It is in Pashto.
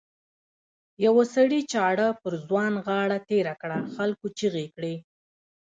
یوه سړي چاړه پر ځوان غاړه تېره کړه خلکو چیغې کړې.